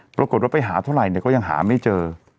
ปรากฏว่าไปหาเท่าไหร่เนี่ยก็ยังหาไม่เจอ